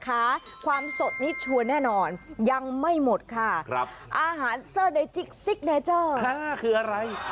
อาหารเซอร์ในจิ๊กซิกเนจ้อคืออะไร